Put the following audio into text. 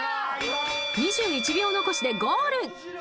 ２１秒残しでゴール。